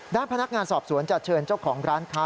ด้านพนักงานสอบสวนจะเชิญเจ้าของร้านค้า